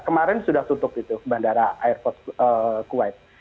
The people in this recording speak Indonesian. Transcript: kemarin sudah tutup itu bandara airport kuwait